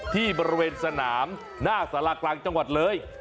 ที่บริเวณสนามหน้าสารากลางจังหวัดเลย